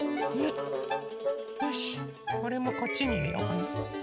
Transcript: よしこれもこっちにいれようかな。